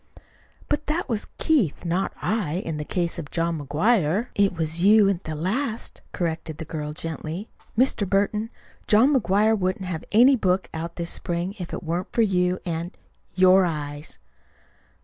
"But that was Keith, not I, in the case of John McGuire." "It was you at the last," corrected the girl gently. "Mr. Burton, John McGuire wouldn't have any book out this spring if it weren't for you and your eyes."